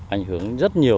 ảnh hưởng rất là nhiều